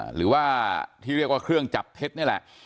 หรือว่าที่เรียกว่าเครื่องจับเท็จนี่แหละ